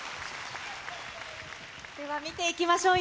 では見ていきましょう。